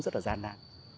rất là gian nạn